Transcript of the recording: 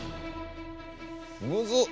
むずっ。